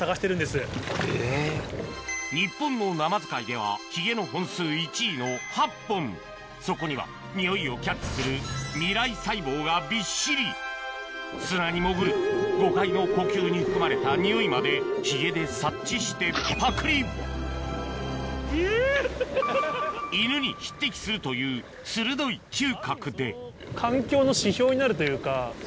日本のナマズ界ではヒゲの本数１位の８本そこには匂いをキャッチする味蕾細胞がびっしり砂に潜るゴカイの呼吸に含まれた匂いまでヒゲで察知してぱくり鋭い嗅覚で・